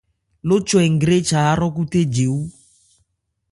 Ló chwɛ ngrécha áhrɔ́khúthé jewú.